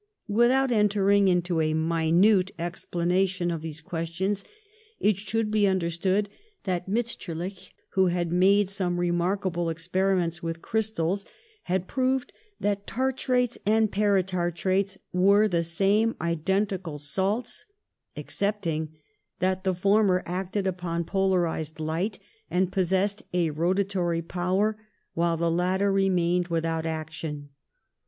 Without entering into a minute explanation of these questions, it should be understood that Mitscherlich, who had made some remarkable experiments with crystals, had 32 PASTEUR proved that tartrates and paratartrates were the same identical salts, excepting that the former acted upon polarised light and pos sessed a rotary power, while the latter remained without action.